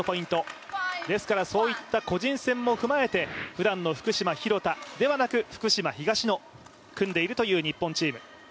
ですから、そういった個人戦も踏まえて普段の福島、廣田ではなく福島、東野が組んでいるという日本チーム。